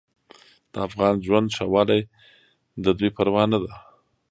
د افغان ژوند ښهوالی د دوی پروا نه ده.